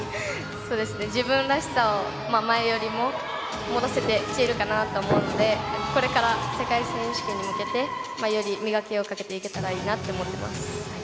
自分らしさを前よりも戻せているかなと思うのでこれから世界選手権に向けてより磨きをかけていけたらいいなと思っています。